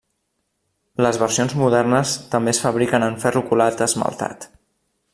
Les versions modernes també es fabriquen en ferro colat esmaltat.